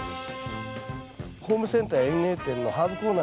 ホームセンターや園芸店のハーブコーナーにはですね